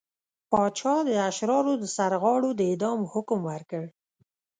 پاچا د اشرارو د سرغاړو د اعدام حکم ورکړ.